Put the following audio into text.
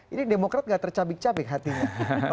ini demokrat gak tercabik cabik hatinya